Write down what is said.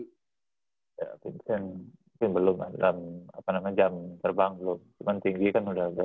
ya vincent mungkin belum lah dalam apa namanya jam terbang belum cuma tinggi kan udah ada